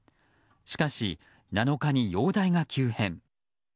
しかし、７日に容体が急変。